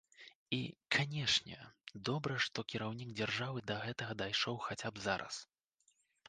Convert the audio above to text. І, канешне, добра, што кіраўнік дзяржавы да гэтага дайшоў хаця б зараз.